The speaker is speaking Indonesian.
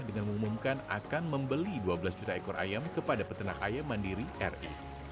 dengan mengumumkan akan membeli dua belas juta ekor ayam kepada peternak ayam mandiri ri